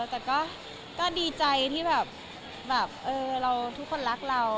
แต่ก็ดีใจที่แบบเราทุกคนรักเรา